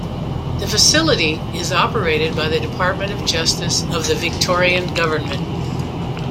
The facility is operated by the Department of Justice, of the Victorian Government.